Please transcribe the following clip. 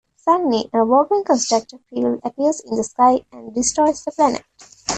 Suddenly, a Vogon Constructor Fleet appears in the sky and destroys the planet.